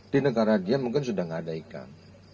di negara dia mungkin sudah tidak ada ikan